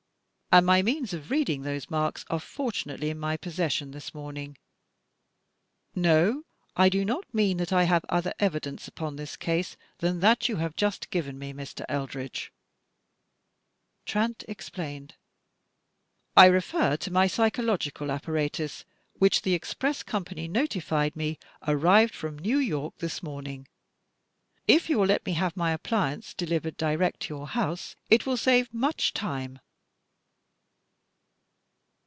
And my means of reading those marks are forttmately in my possession this morning. No, I do not mean that I have other evidence upon this case than that you have just given me, Mr. Eldredge," Trant explained. "I refer to my psychological apparatus which, the express company notified me, arrived from New York this morning. If you will let me have my appliance delivered direct to your house it will save much time."